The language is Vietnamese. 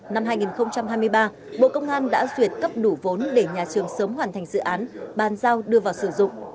năm hai nghìn hai mươi ba bộ công an đã duyệt cấp đủ vốn để nhà trường sớm hoàn thành dự án bàn giao đưa vào sử dụng